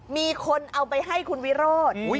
มีคนเอาไปให้คุณวิโรธ